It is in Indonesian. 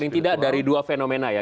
paling tidak dari dua fenomena ya